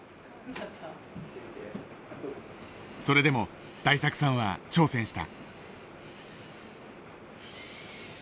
それでも大作さんは挑戦した。